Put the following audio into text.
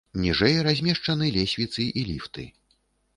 Ніжэй размешчаны лесвіцы і ліфты.